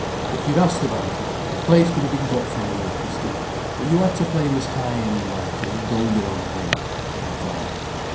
"If you'd asked about it, a place could have been got for you in Ilkeston. But you had to play Miss High an' mighty, and go your own way," said her father.